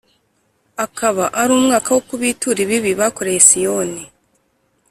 akaba ari umwaka wo kubitura ibibi bakoreye Siyoni.